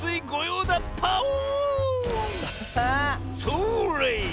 それ！